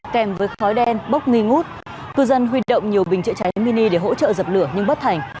kèm với khói đen bốc nghi ngút cư dân huy động nhiều bình chữa cháy mini để hỗ trợ dập lửa nhưng bất thành